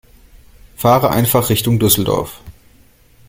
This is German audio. Fahre einfach Richtung Düsseldorf